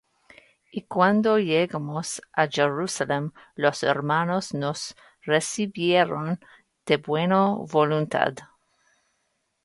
Y cuando llegamos á Jerusalem, los hermanos nos recibieron de buena voluntad.